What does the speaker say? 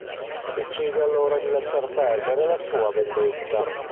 Decide allora di lasciar perdere la sua vendetta.